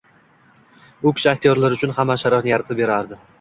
U kishi aktyorlar uchun hamma sharoitni yaratib berardi.